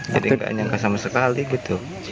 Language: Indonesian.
jadi gak nyangka sama sekali gitu